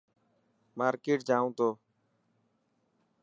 مارڪيٽ جائون تو.